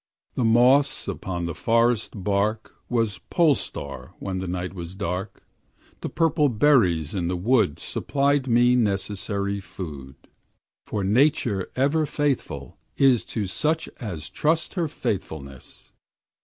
The moss upon the forest bark Was pole star when the night was dark; The purple berries in the wood Supplied me necessary food; For Nature ever faithful is To such as trust her faithfulness.